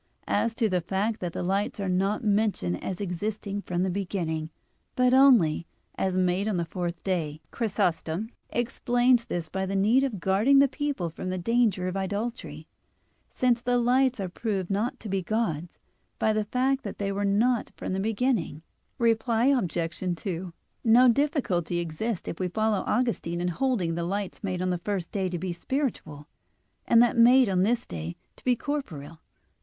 As to the fact that the lights are not mentioned as existing from the beginning, but only as made on the fourth day, Chrysostom (Hom. vi in Gen.) explains this by the need of guarding the people from the danger of idolatry: since the lights are proved not to be gods, by the fact that they were not from the beginning. Reply Obj. 2: No difficulty exists if we follow Augustine in holding the light made on the first day to be spiritual, and that made on this day to be corporeal.